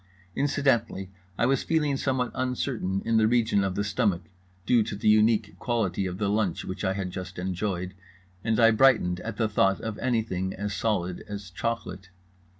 Incidentally I was feeling somewhat uncertain in the region of the stomach, due to the unique quality of the lunch which I had just enjoyed, and I brightened at the thought of anything as solid as chocolate.